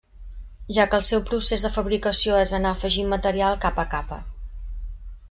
Ja que el seu procés de fabricació és anar afegint material capa a capa.